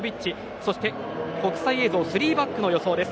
そして、国際映像３バックの様相です。